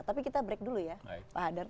tapi kita break dulu ya pak hadar